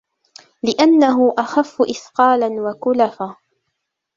لِأَنَّهُ أَخَفُّ إثْقَالًا وَكُلَفًا